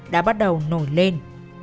đã bắt đầu nổi lên